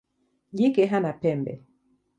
Jike hana pembe.